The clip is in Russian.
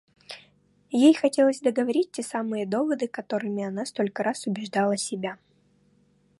Ей хотелось договорить те самые доводы, которыми она столько раз убеждала себя.